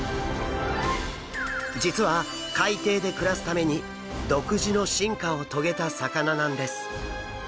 実は海底で暮らすために独自の進化を遂げた魚なんです。